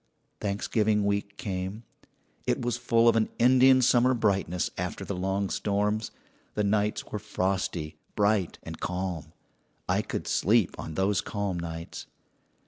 "Thanksgiving week came. "It was full of an Indian summer brightness after the long storms. The nights were frosty, bright, and calm. "I could sleep on those calm nights.